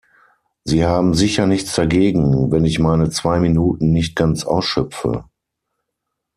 Sie haben sicher nichts dagegen, wenn ich meine zwei Minuten nicht ganz ausschöpfe.